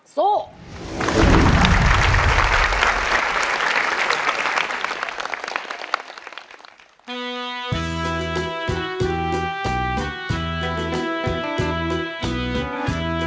สู้